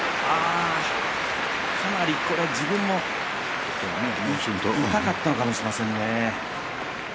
かなり自分も痛かったのかもしれませんね。